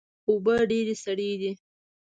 اوبه ډیرې سړې دي